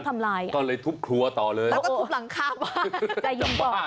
มันหนีไปใช่มั้ย